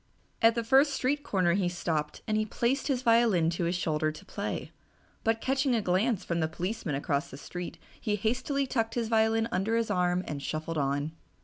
At the first street corner he stopped and placed his violin to his shoulder to play, but catching a glance from the policeman across the street he hastily tucked his violin under his arm and shuffled on.